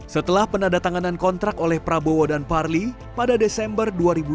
setelah penandatanganan kontrak oleh prabowo dan parli pada desember dua ribu dua puluh